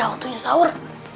udah waktunya sahur